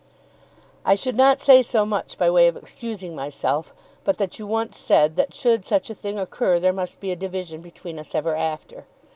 I should not say so much by way of excusing myself, but that you once said, that should such a thing occur there must be a division between us ever after.